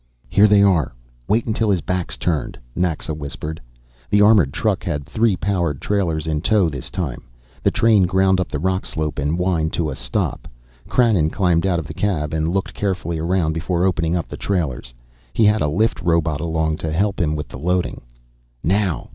"Here they're. Wait until his back's turned," Naxa whispered. The armored truck had three powered trailers in tow this time. The train ground up the rock slope and whined to a stop. Krannon climbed out of the cab and looked carefully around before opening up the trailers. He had a lift robot along to help him with the loading. "Now!"